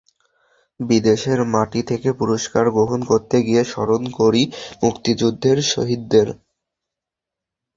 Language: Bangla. বিদেশের মাটিতে থেকে পুরস্কার গ্রহণ করতে গিয়ে স্মরণ করি মুক্তিযুদ্ধের শহীদদের।